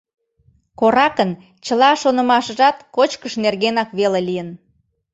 Коракын чыла шонымашыжат кочкыш нергенак веле лийын...